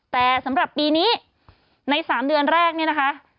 แต่สำหรับปีนี้ใน๓เดือนแรกเนี่ยนะคะ